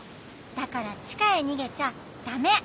だからちかへにげちゃダメ！